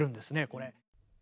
これ。